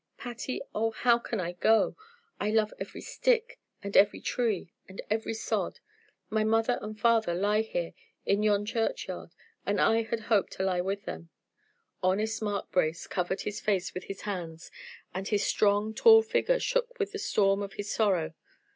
Patty, oh, how can I go! I love every stick, and every tree, and every sod. My mother and father lie here in yon churchyard, and I had hoped to lie by them." Honest Mark Brace covered his face with his hands, and his strong, tall figure shook with the storm of his sorrow.